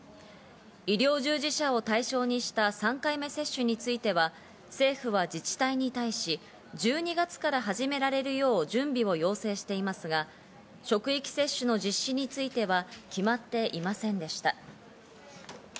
医療従事者を対象にした３回目接種については、政府は自治体に対し、１２月から始められるよう準備を要請していますが、職域接種の実施については決まっていませんでした。